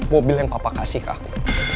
mobil yang papa kasih ke aku